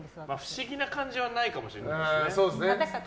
不思議な感じはないかもしれないですね。